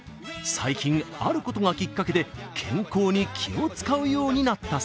最近あることがきっかけで健康に気を遣うようになったそうです。